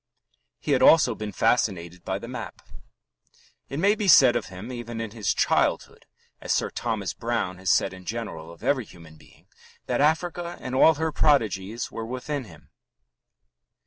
He had also been fascinated by the map. It may be said of him even in his childhood, as Sir Thomas Browne has said in general of every human being, that Africa and all her prodigies were within him.